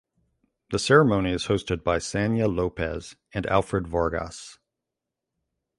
The ceremony is hosted by Sanya Lopez and Alfred Vargas.